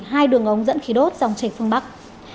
hai đường ống dẫn khí đốt dòng chảy phương bắc